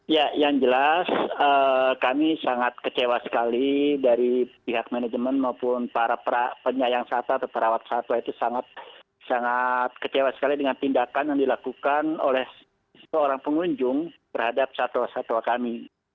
ya yang jelas kami sangat kecewa sekali dari pihak manajemen maupun para penyayang satwa atau perawat satwa itu sangat kecewa sekali dengan tindakan yang dilakukan oleh seorang pengunjung terhadap satwa satwa kami